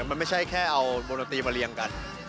มันไม่ใช่แค่เอามดนตรีมาเรียงกัน